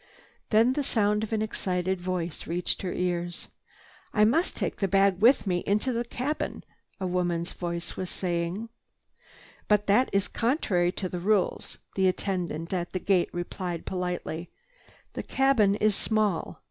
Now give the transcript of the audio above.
Then the sound of an excited voice reached her ears. "I must take the bag with me in the cabin," a woman's voice was saying. "But that is contrary to the rules," the attendant at the gate replied politely. "The cabin is small.